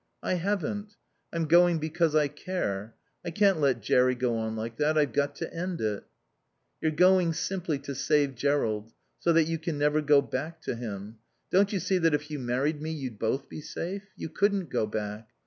"I haven't. I'm going because I care. I can't let Jerry go on like that. I've got to end it." "You're going simply to save Jerrold. So that you can never go back to him. Don't you see that if you married me you'd both be safe? You couldn't go back.